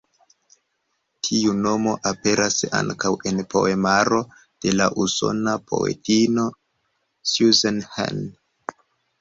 Tiu nomo aperas ankaŭ en poemaro de la usona poetino Susan Hahn.